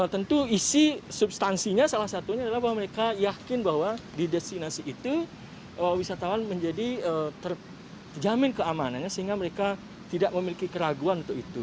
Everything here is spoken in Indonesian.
tentu isi substansinya salah satunya adalah bahwa mereka yakin bahwa di destinasi itu wisatawan menjadi terjamin keamanannya sehingga mereka tidak memiliki keraguan untuk itu